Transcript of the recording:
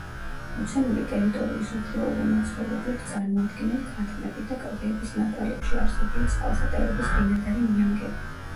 მოცემული ტერიტორიის უჩვეულო მაცხოვრებლებს წარმოადგენენ ქათმები, და კლდეების ნაპრალებში არსებული წყალსატევების ბინადარი ნიანგები.